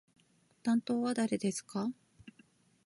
担当は誰ですか？